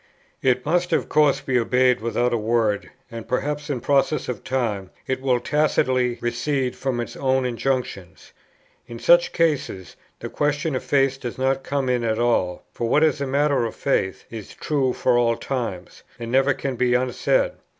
It must of course be obeyed without a word, and perhaps in process of time it will tacitly recede from its own injunctions. In such cases the question of faith does not come in at all; for what is matter of faith is true for all times, and never can be unsaid.